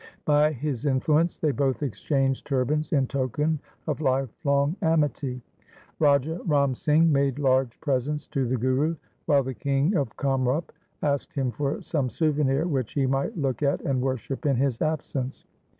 By his influence they both exchanged turbans in token of life long amity. Raja Ram Singh made large presents to the Guru while the king of Kamrup asked him for some souvenir which he might look at and worship in his absence.